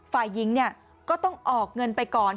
ฝ่ายหญิงก็ต้องออกเงินไปก่อน